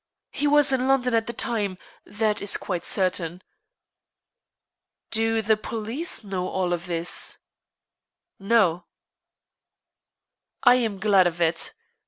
He was in London at the time, that is quite certain." "Do the police know all this?" "No." "I am glad of it.